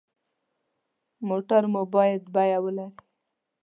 موټر مو باید بیمه ولري.